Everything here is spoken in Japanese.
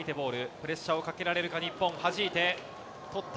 プレッシャーをかけられるか、日本、はじいて取った。